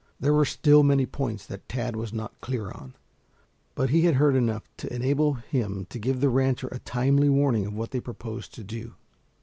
There were still many points that Tad was not clear on, but he had heard enough to enable him to give the rancher a timely warning of what they proposed to do.